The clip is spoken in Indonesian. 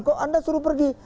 kok anda suruh pergi